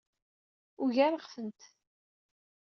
Ugareɣ-tent.